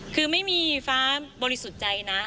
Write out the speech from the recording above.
คือไม่มีฟ้าบริสุทธิ์ใจนะ